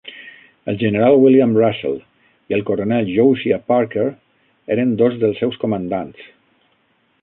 El general William Russell i el coronel Josiah Parker eren dos dels seus comandants.